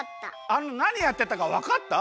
あのなにやってたかわかった？